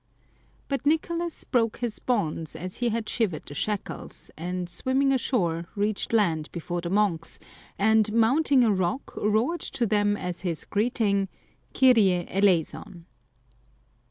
But Nicolas broke his bonds,^ as he had shivered the shackles, and swimming ashore, reached land before the monks, and mounting a rock, roared to them as his greeting, " Kyrie eleison